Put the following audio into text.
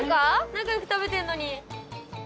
仲良く食べてんのに。